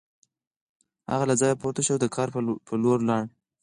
هغه له ځایه پورته شو او د کار په لور لاړ